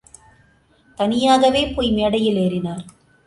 தனியாகவே போய் மேடையில் ஏறினார்.